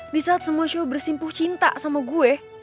di saat semua show bersimpuh cinta sama gue